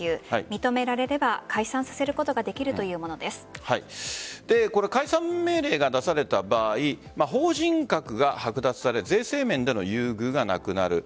認められれば解散させることができる解散命令が出された場合法人格が剥奪され税制面での優遇がなくなる。